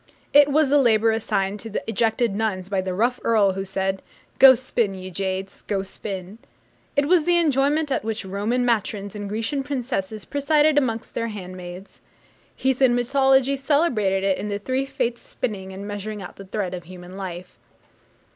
It was the labour assigned to the ejected nuns by the rough earl who said, 'Go spin, ye jades, go spin.' It was the employment at which Roman matrons and Grecian princesses presided amongst their handmaids. Heathen mythology celebrated it in the three Fates spinning and measuring out the thread of human life.